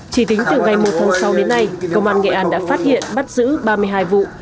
chỉ tính từ ngày một tháng sáu đến nay công an nghệ an đã phát hiện bắt giữ ba mươi hai vụ